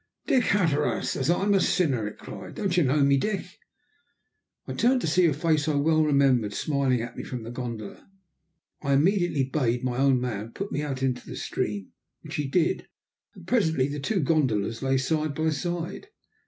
"Dick Hatteras, as I'm a sinner!" it cried. "Don't you know me, Dick?" I turned to see a face I well remembered smiling at me from the gondola. I immediately bade my own man put me out into the stream, which he did, and presently the two gondolas lay side by side.